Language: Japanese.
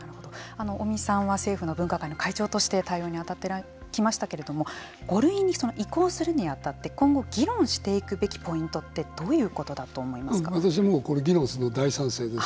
尾身さんは政府の分科会の会長として対応に当たってきましたけれども５類に移行するに当たって今後、議論していくべきポイントって私、議論するのは大賛成です。